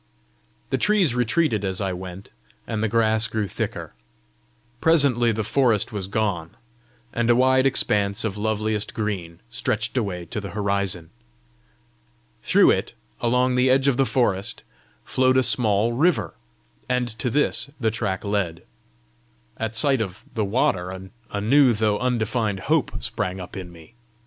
The trees retreated as I went, and the grass grew thicker. Presently the forest was gone, and a wide expanse of loveliest green stretched away to the horizon. Through it, along the edge of the forest, flowed a small river, and to this the track led. At sight of the water a new though undefined hope sprang up in me.